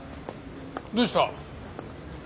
どうした？